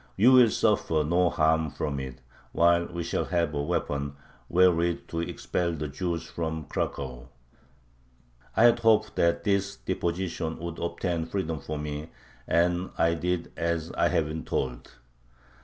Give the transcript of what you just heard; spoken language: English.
You will suffer no harm from it, while we shall have a weapon wherewith to expel the Jews from Cracow." I had hoped that this deposition would obtain freedom for me, and I did as I had been told.